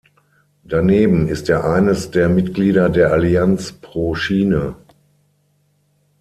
Daneben ist er eines der Mitglieder der Allianz pro Schiene.